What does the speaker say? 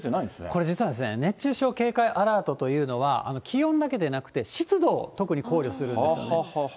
これ、実は熱中症警戒アラートいうというのは、気温だけではなくて、湿度を特に考慮するんですよね。